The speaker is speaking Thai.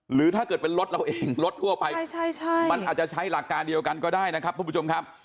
หรือถ้าเกิดเป็นรถเราเองรถทั่วไปมันอาจจะใช้หลักการเดียวกันก็ได้นะครับทุกผู้ชมครับ